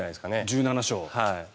１７勝。